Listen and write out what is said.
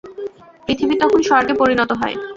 পৃথিবী তখন স্বর্গে পরিণত হয়।